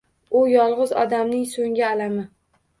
U yolg’iz odamning so’nggi alami.